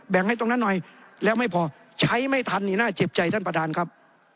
ให้ตรงนั้นหน่อยแล้วไม่พอใช้ไม่ทันนี่น่าเจ็บใจท่านประธานครับ